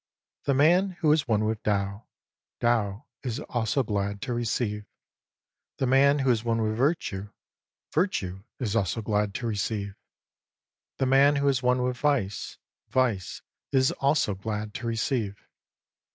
The man who is one with Tao, Tao is also glad to receive. The man who is one with Virtue, Virtue is also glad to receive. The man who is one with Vice, Vice is also glad to receive.